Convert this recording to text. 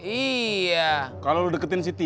iya kalo lu lagi deketin si tika